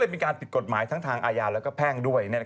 มีการผิดกฎหมายทั้งทางอาญาและแพ่งด้วย